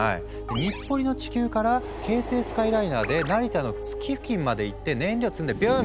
日暮里の地球から京成スカイライナーで成田の月付近まで行って燃料積んでビューン！